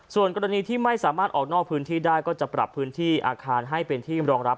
ส่วนกรณีที่ไม่สามารถออกนอกพื้นที่ได้ก็จะปรับพื้นที่อาคารให้เป็นที่รองรับ